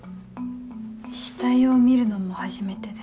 死体を見るのも初めてで。